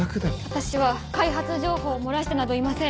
私は開発情報を漏らしてなどいません。